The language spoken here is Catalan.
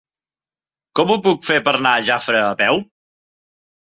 Com ho puc fer per anar a Jafre a peu?